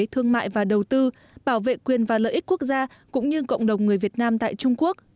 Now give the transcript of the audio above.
thương mại và đầu tư bảo vệ quyền và lợi ích quốc gia cũng như cộng đồng người việt nam tại trung quốc